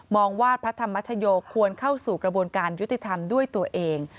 ว่าพระธรรมชโยควรเข้าสู่กระบวนการยุติธรรมด้วยตัวเอง